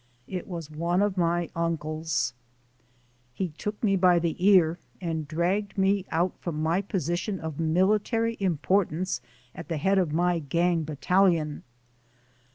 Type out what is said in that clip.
It was one of my uncles. He took me by the ear and dragged me out from my position of military importance at the head of my gang bat talion.